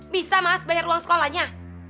bisa mas bayar ruang sekolahnya